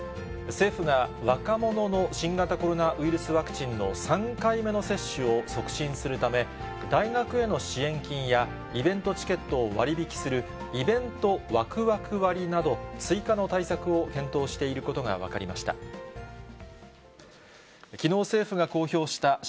政府が若者の新型コロナウイルスワクチンの３回目の接種を促進するため、大学への支援金やイベントチケットを割引する、イベントワクワク割など、追加の対策を検討していることが分かりました。